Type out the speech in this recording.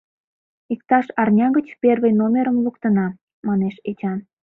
Иктаж арня гыч первый номерым луктына. — манеш Эчан.